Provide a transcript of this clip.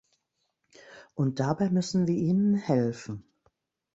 Und dabei müssen wir Ihnen helfen.